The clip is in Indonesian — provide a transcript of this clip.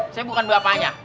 saya bukan bapaknya